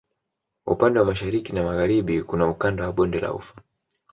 Upande wa Mashariki na Magharibi kuna Ukanda wa bonde la Ufa